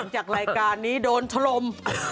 จากรายการนี้โดนถล่ม